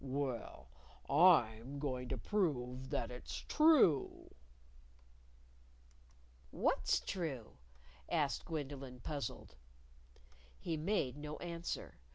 Well, I'm going to prove that it's true." "What's true?" asked Gwendolyn, puzzled. He made no answer.